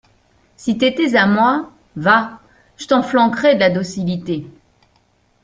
Si t’étais à moi, va !… je t’en flanquerais de la docilité…